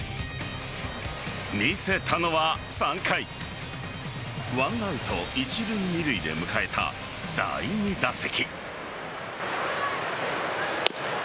見せたのは３回１アウト一塁・二塁で迎えた第２打席。